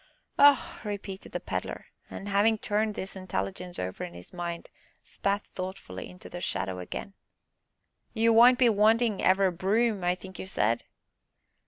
"Oh!" repeated the Pedler, and, having turned this intelligence over in his mind, spat thoughtfully into the shadow again. "You won't be wantin' ever a broom, I think you said?"